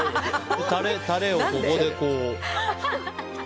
タレをここでこう。